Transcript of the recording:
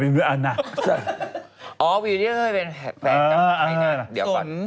อ๋อวิวที่เขาเคยเป็นแฟนกับใครนะ